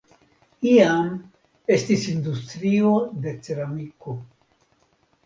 Iam estis industrio de ceramiko.